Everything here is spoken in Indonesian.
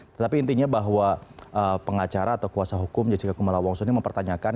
tetapi intinya bahwa pengacara atau kuasa hukum jessica kumala wongso ini mempertanyakan